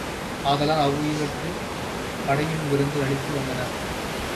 ஆதலால் அவ்வுயிர்க்குப் படையலும் விருந்தும் அளித்து வந்தனர்.